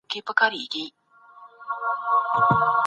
د هېواد پرمختګ زموږ په لاس کي دی.